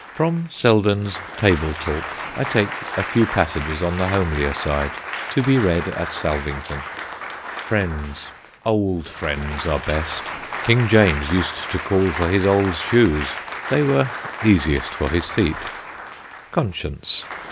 From Selden's Table Talk I take a few passages on the homelier side, to be read at Salvington: [Sidenote: JOHN SELDEN'S WISDOM] FRIENDS. Old Friends are best. King James used to call for his old Shoes; they were easiest for his Feet. CONSCIENCE.